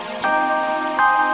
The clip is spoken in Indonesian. jadi kelamatan pingganwela